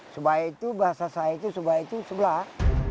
sebae itu bahasa saya itu sebae itu sebelah